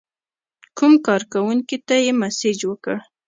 کوم کارکونکي ته یې مسیج وکړ.